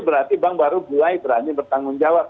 berarti bank baru mulai berani bertanggung jawab